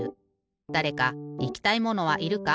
だれかいきたいものはいるか？